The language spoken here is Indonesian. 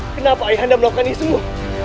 kenapa ayah anda melakukan ini semua